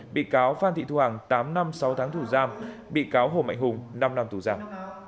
bị cáo phan thị thu hằng tám năm sáu tháng thủ giam bị cáo hồ mạnh hùng năm năm thủ giam